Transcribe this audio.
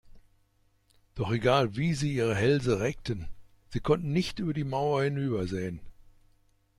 Doch egal, wie sie ihre Hälse reckten, sie konnten nicht über die Mauer hinübersehen.